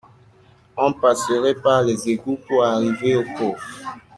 On passerait par les égoûts pour arriver au coffre.